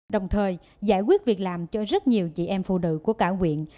đồng thời giải quyết việc làm cho rất nhiều chị em phụ nữ của cả quyện